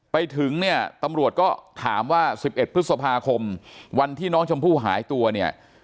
ไปถึงเนี่ยตำรวจก็ถามว่า๑๑พฤษภาคมวันที่น้องชมพู่หายตัวเนี่ย